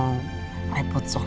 jumpa jendela bahasa kita